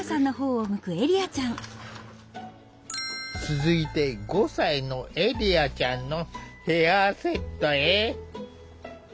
続いて５歳のエリアちゃんのヘアセットへ。